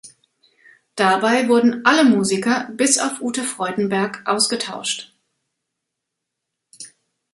Dabei wurden alle Musiker bis auf Ute Freudenberg ausgetauscht.